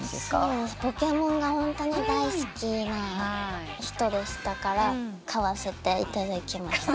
『ポケモン』がホントに大好きな人でしたから買わせていただきました。